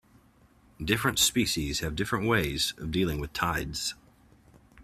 Different species have different ways of dealing with tides.